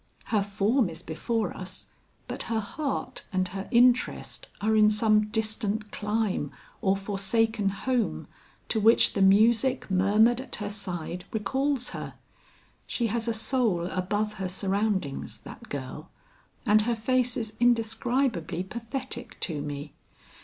Her form is before us, but her heart and her interest are in some distant clime or forsaken home to which the music murmured at her side recalls her. She has a soul above her surroundings, that girl; and her face is indescribably pathetic to me.